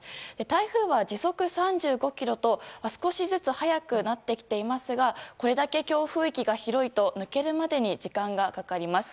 台風は時速３５キロと少しずつ速くなってきていますがこれだけ強風域が広いと抜けるまでに時間がかかります。